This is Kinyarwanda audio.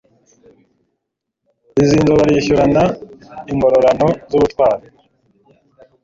Bizinzo barishyukana Ingororano z'ubutwari